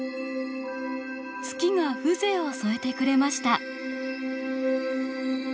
月が風情を添えてくれました。